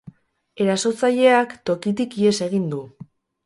Erasotzaileak tokitik ihes egin du.